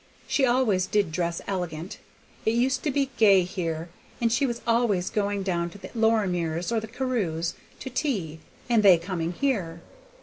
She always did dress elegant. It used to be gay here, and she was always going down to the Lorimers' or the Carews' to tea, and they coming here.